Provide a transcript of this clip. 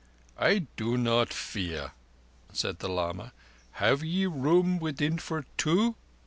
"I do not fear," said the lama. "Have ye room within for two?"